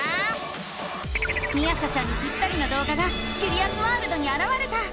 みあさちゃんにぴったりの動画がキュリアスワールドにあらわれた！